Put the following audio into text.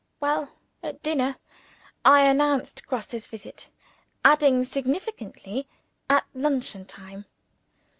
Well at dinner, I announced Grosse's visit; adding significantly, "at luncheon time."